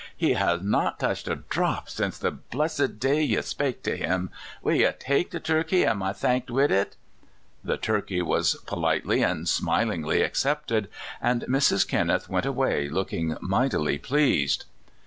He has not touched a dhrop since the blissed day ye spake to him. Will ye take the turkey, and my thanks widit?" The turkey was politely and smilingl}^ accepted, and Mrs. Kinneth went away looking mightily pleased.